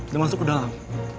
dan masuk ke dalam